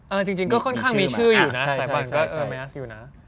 เออจริงก็ค่อนข้างมีชื่ออยู่นะสายวันก็เออมายอัสอยู่นะ